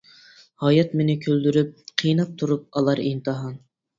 ھايات مېنى كۈلدۈرۈپ، قىيناپ تۇرۇپ ئالار ئىمتىھان.